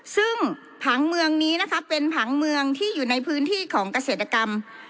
ซึ่งผังเมืองนี้นะคะเป็นผังเมืองที่อยู่ในพื้นที่ของเกษตรกรรม